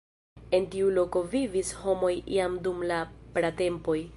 En tiu loko vivis homoj jam dum la pratempoj.